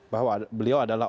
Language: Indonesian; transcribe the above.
bahwa beliau adalah